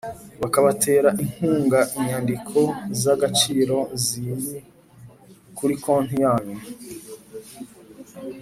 bakabaterainkungainyandiko zagaciro ziri kuri konti yanyu